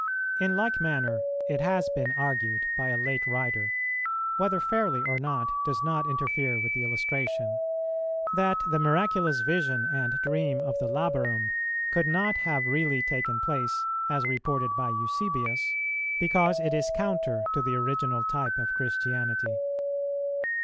In like manner, it has been argued by a late writer, whether fairly or not does not interfere with the illustration, that the miraculous vision and dream of the Labarum could not have really taken place, as reported by Eusebius, because it is counter to the original type of Christianity.